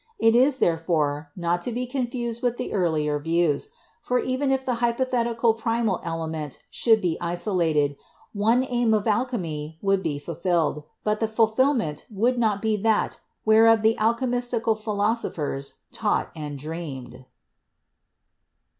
It is, therefore, not to be confused with the earlier views, for even if the hypothetical primal element should be isolated, one aim of alchemy would be fulfilled, but the fulfilment would not be that whereof the alchemystical philosophers taught and dreamed.